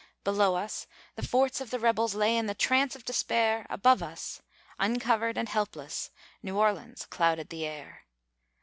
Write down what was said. Below us, the forts of the rebels Lay in the trance of despair; Above us, uncovered and helpless, New Orleans clouded the air.